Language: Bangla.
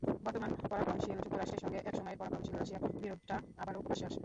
বর্তমান পরাক্রমশীল যুক্তরাষ্ট্রের সঙ্গে একসময়ের পরাক্রমশীল রাশিয়ার বিরোধটা আবারও প্রকাশ্যে আসে।